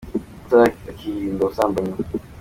Umugore akirinda ubusambanyi.